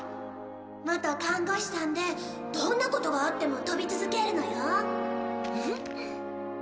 元看護師さんでどんなことがあっても飛び続けるのよ。